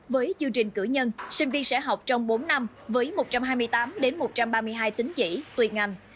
với chương trình cử nhân sinh viên sẽ học trong bốn năm với một trăm hai mươi tám một trăm ba mươi hai tính chỉ tuyển ngành